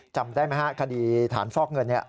จำได้ไหมฮะคดีฐานฟอกเงิน